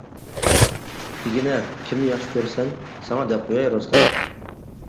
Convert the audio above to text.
دېگىنە كىمنى ياخشى كۆرىسەن؟ ساڭا دەپ قوياي، رۇسلان.